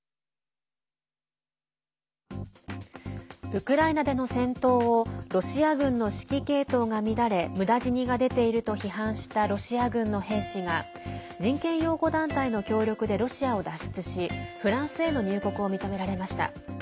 ウクライナでの戦闘をロシア軍の指揮系統が乱れむだ死にが出ていると批判したロシア軍の兵士が人権擁護団体の協力でロシアを脱出しフランスへの入国を認められました。